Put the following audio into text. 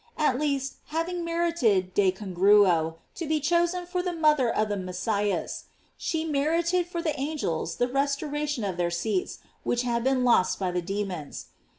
At least, having mer ited de congruo to be chosen for the mother of the Messias, she merited for the angels the restoration of their seats which had been lost by the demons.